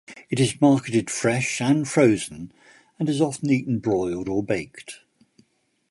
It is marketed fresh and frozen and is often eaten broiled or baked.